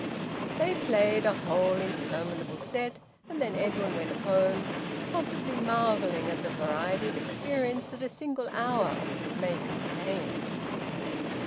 They played a whole interminable set, and then Edwin went home, possibly marvelling at the variety of experience that a single hour may contain.